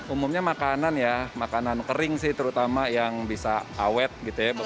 umumnya makanan ya makanan kering sih terutama yang bisa awet gitu ya